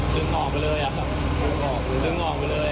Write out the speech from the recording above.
ดึงออกไปเลยอะดึงออกไปเลยอะ